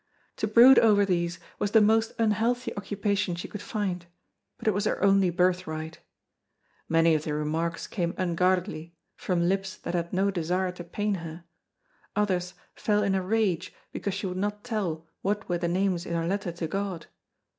To brood over these was the most unhealthy occupation she could find, but it was her only birthright. Many of the remarks came unguardedly from lips that had no desire to pain her, others fell in a rage because she would not tell what were the names in her letter to God.